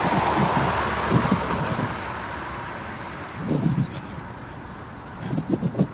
Ni vema na busara kuwa na utamaduni wa kupeana mafunzo yanayohusiana na huduma ya